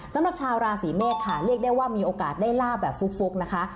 สำหรับชาวราศีเมษค่ะเรียกได้ว่ามีโอกาสได้ลาบแบบฟุกนะคะ